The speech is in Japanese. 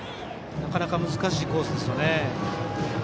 なかなか難しいコースでしたね。